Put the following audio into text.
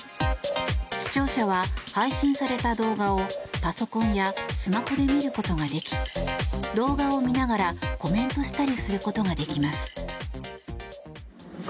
視聴者は、配信された動画をパソコンやスマホで見ることができ動画を見ながらコメントしたりすることができます。